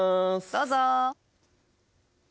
どうぞ！